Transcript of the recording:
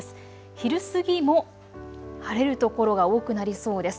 昼過ぎも晴れる所が多くなりそうです。